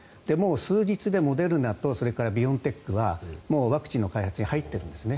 数日でモデルナとビオンテックはワクチンの開発に入ってるんですね。